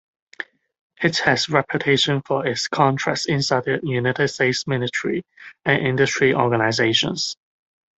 It has reputation for its contacts inside the United States military and industry organizations.